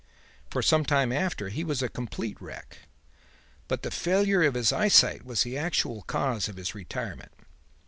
For some time after he was a complete wreck. But the failure of his eyesight was the actual cause of his retirement.